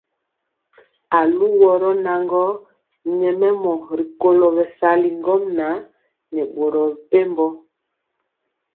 Aluworo naŋgɔ nyɛmemɔ rikolo bɛsali ŋgomnaŋ nɛ boro mepempɔ.